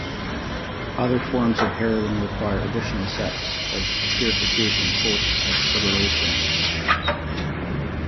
Other forms of heroin require additional steps of purification post acetylation.